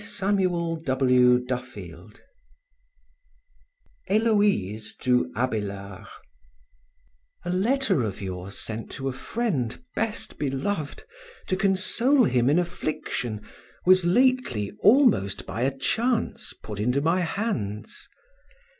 Thomas Davidson HÉLOÏSE TO ABÉLARD A letter of yours sent to a friend, best beloved, to console him in affliction, was lately, almost by a chance, put into my hands.